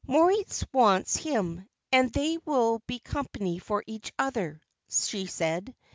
"Moritz wants him, and they will be company for each other," she said.